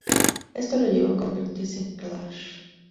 Esto lo llevó a convertirse en Clash.